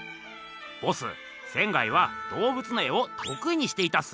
ボス仙は動物の絵をとくいにしていたっす。